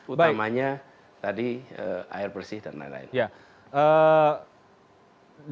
utamanya tadi air bersih dan lain lain